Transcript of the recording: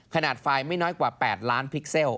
ไฟล์ไม่น้อยกว่า๘ล้านพิกเซล